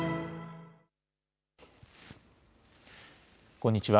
こんにちは。